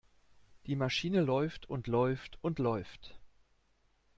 Die Maschine läuft und läuft und läuft.